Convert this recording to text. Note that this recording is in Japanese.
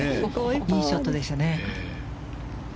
いいショットでしたね。